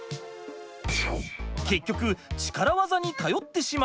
結局力技に頼ってしまうことに。